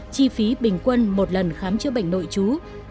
chi phí bình quân một lần khám chữa bệnh nội trú